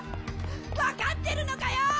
分かってるのかよ！